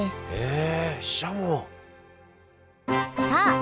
え。